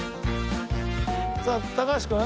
さあ高橋君。